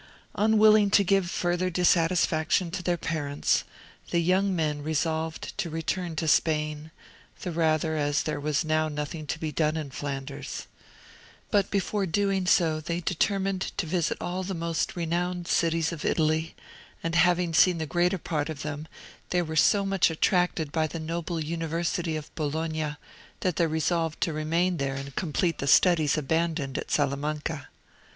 Unwilling to give further dissatisfaction to their parents, the young men resolved to return to Spain, the rather as there was now nothing to be done in Flanders. But before doing so they determined to visit all the most renowned cities of Italy; and having seen the greater part of them, they were so much attracted by the noble university of Bologna, that they resolved to remain there and complete the studies abandoned at Salamanca.